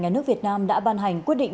nhà nước việt nam đã ban hành quyết định